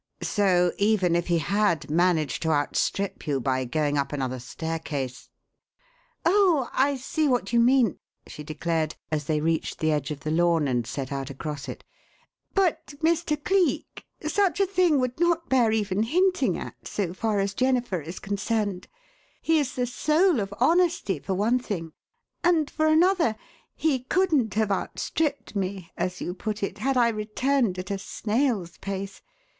So even if he had managed to outstrip you by going up another staircase " "Oh, I see what you mean!" she declared, as they reached the edge of the lawn and set out across it. "But, Mr. Cleek, such a thing would not bear even hinting at, so far as Jennifer is concerned. He is the soul of honesty, for one thing; and, for another, he couldn't have outstripped me, as you put it, had I returned at a snail's pace.